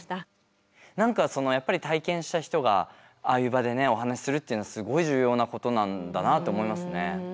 何かやっぱり体験した人がああいう場でお話しするっていうのはすごい重要なことなんだなって思いますね。